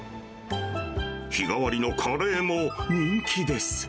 日替わりのカレーも人気です。